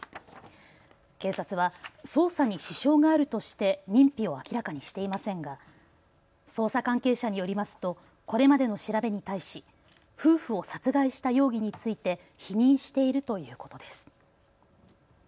警察は捜査に支障があるとして認否を明らかにしていませんが捜査関係者によりますとこれまでの調べに対し夫婦を殺害した容疑について否認しているということです。